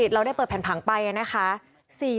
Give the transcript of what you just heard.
เราได้เปิดแผ่นผังไปนะคะ